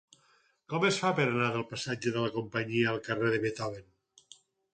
Com es fa per anar del passatge de la Companyia al carrer de Beethoven?